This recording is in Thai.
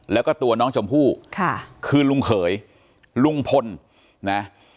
แล้วก็ตัวน้องชมพู่ค่ะคือลุงเขยลุงพลนะ